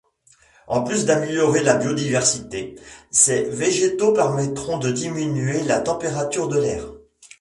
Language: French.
En plus d'améliorer la biodiversité, ces végétaux permettront de diminuer la température de l'air.